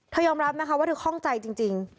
เธอยอมรับมั้ยคะว่าเธอฮ่องใจจริง